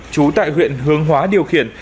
trú tại huyện hướng hóa điều khiển